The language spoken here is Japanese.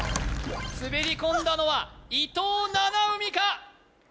滑り込んだのは伊藤七海か？